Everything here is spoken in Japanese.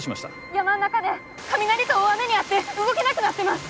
山ん中で雷と大雨に遭って動けなくなってます。